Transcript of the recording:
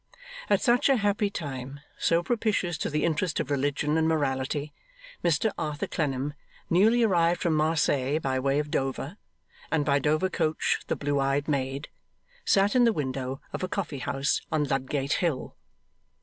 At such a happy time, so propitious to the interests of religion and morality, Mr Arthur Clennam, newly arrived from Marseilles by way of Dover, and by Dover coach the Blue eyed Maid, sat in the window of a coffee house on Ludgate Hill.